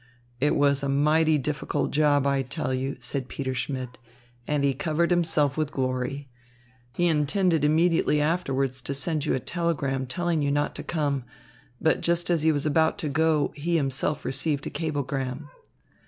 "It was a mighty difficult job, I tell you," said Peter Schmidt, "and he covered himself with glory. He intended immediately afterwards to send you a telegram telling you not to come. But just as he was about to go, he himself received a cablegram."